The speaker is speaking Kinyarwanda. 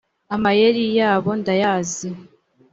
amayeri yabo ndayazi